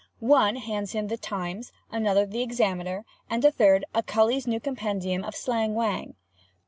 One hands him the "Times," another the "Examiner" and a third a "Culley's New Compendium of Slang Whang."